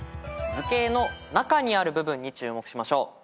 図形の中にある部分に注目しましょう。